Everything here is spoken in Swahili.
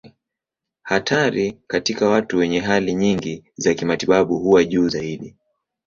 Hatari katika watu wenye hali nyingi za kimatibabu huwa juu zaidi.